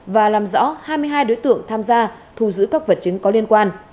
và làm rõ hai mươi hai đối tượng tham gia thu giữ các vật chứng có liên quan